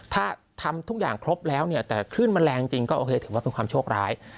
ถ้าทำทุกอย่างครบแล้วเนี่ยแต่คลื่นมันแรงจริงก็โอเคถือว่าเป็นความโชคร้าย